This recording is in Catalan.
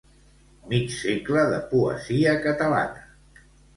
Mig segle de poesia catalana.